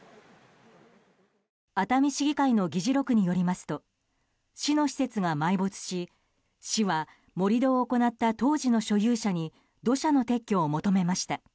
熱海市議会の議事録によりますと市の施設は埋没し市は盛り土を行った当時の所有者に土砂の撤去を求めました。